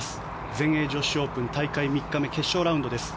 全英女子オープン大会３日目決勝ラウンドです。